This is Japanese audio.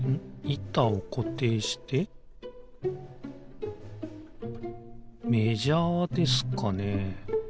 いたをこていしてメジャーですかね？